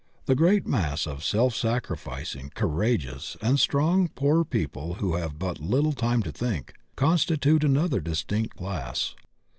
The great mass of self sacrificing, courageous, and strong poor people who have but little time to think, constitute another distinct class.